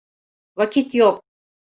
Vakit yok.